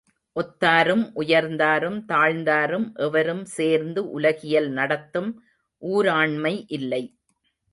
ஒத்தாரும் உயர்ந்தாரும் தாழ்ந்தாரும் எவரும் சேர்ந்து உலகியல் நடத்தும் ஊராண்மை இல்லை!